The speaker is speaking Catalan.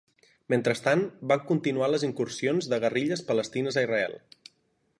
Mentrestant, van continuar les incursions de guerrilles palestines a Israel.